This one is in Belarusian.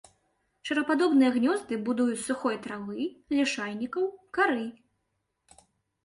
Шарападобныя гнёзды будуе з сухой травы, лішайнікаў, кары.